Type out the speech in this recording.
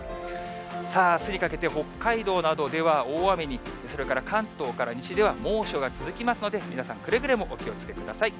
さあ、あすにかけて、北海道などでは大雨に、それから関東から西では猛暑が続きますので、皆さん、くれぐれもお気をつけください。